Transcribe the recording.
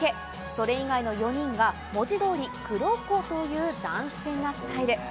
それ以外の４人が文字通り黒子という斬新なスタイル。